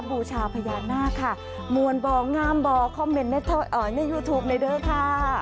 บูชาพญานาคค่ะมวลบ่องามบ่อคอมเมนต์ในยูทูปในเด้อค่ะ